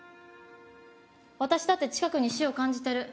私だって近くに死を感じてる。